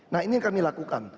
nah ini yang kami lakukan